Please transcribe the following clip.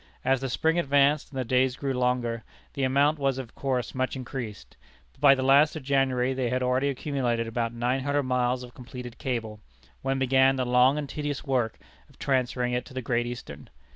As the spring advanced, and the days grew longer, the amount was of course much increased. But by the last of January they had already accumulated about nine hundred miles of completed cable, when began the long and tedious work of transferring it to the Great Eastern.